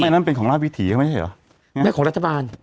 ไม่นั่นเป็นของราววิถีก็ไม่ใช่เหรอเนี้ยของรัฐบาล